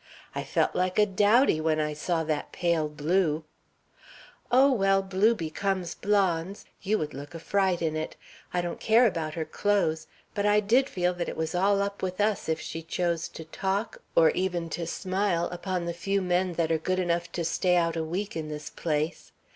I felt like a dowdy when I saw that pale blue " "Oh, well, blue becomes blondes. You would look like a fright in it. I didn't care about her clothes, but I did feel that it was all up with us if she chose to talk, or even to smile, upon the few men that are good enough to stay out a week in this place.